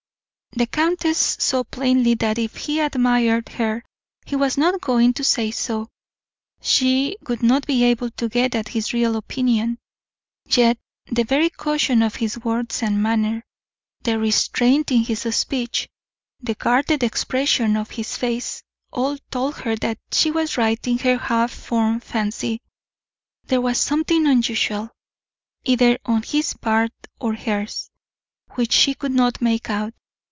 The countess saw plainly that if he admired her he was not going to say so; she would not be able to get at his real opinion. Yet the very caution of his words and manner, the restraint in his speech, the guarded expression of his face, all told her that she was right in her half formed fancy. There was something unusual either on his part or hers which she could not make out.